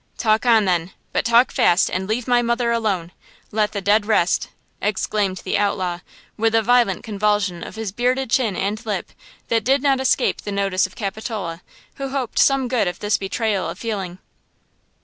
"Talk on, then, but talk fast, and leave my mother alone! Let the dead rest!" exclaimed the outlaw, with a violent convulsion of his bearded chin and lip that did not escape the notice of Capitola, who hoped some good of this betrayal of feeling.